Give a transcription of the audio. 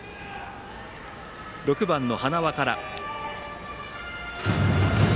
６番の塙から。